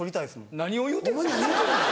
お前何を言うてんの？